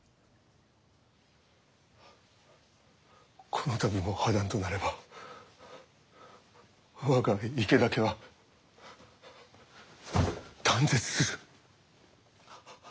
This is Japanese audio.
この度も破談となれば我が池田家は断絶する。